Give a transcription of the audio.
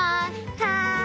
はい！